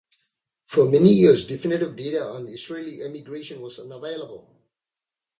For many years definitive data on Israeli emigration was unavailable.